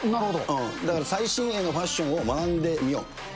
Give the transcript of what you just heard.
だから最新鋭のファッションを学んでみよう。